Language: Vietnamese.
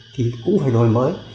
thì cũng phải đổi mới